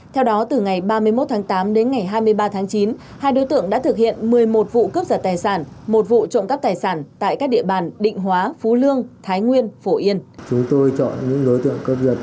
theo đó từ ngày ba mươi một tháng tám đến ngày hai mươi ba tháng chín hai đối tượng đã thực hiện một mươi một vụ cướp giật tài sản một vụ trộm cắp tài sản tại các địa bàn định hóa phú lương thái nguyên phổ yên